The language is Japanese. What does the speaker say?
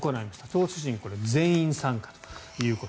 投手陣、これ、全員参加と。